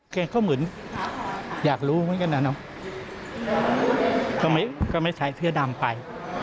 แก่เขาเหมือนอยากรู้ไงกันนะเนาะก็ไม่ใช้เทือดำไป